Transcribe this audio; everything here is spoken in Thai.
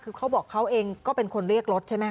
คือเขาบอกเขาเองก็เป็นคนเรียกรถใช่ไหมค